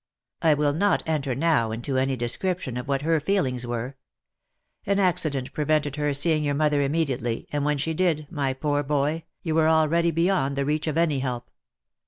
I will not enter now 7 into any description of what her feelings were. An accident prevented her seeing your mother immediately, and when she did, my poor boy, you were already beyond the reach of any help.